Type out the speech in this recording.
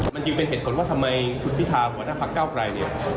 มันจึงเป็นเหตุผลว่าทำไมคุณพิธาหัวหน้าพักเก้าไกลเนี่ย